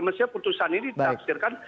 mesti putusan ini ditafsirkan